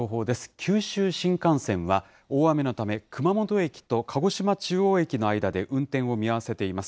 九州新幹線、大雨のため、熊本駅と鹿児島中央駅の間で運転を見合わせています。